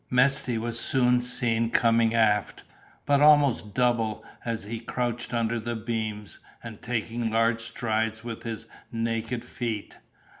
Mesty was soon seen coming aft, but almost double as he crouched under the beams, and taking large strides with his naked feet.